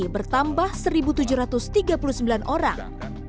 bertambah satu tujuh ratus tiga puluh sembilan orang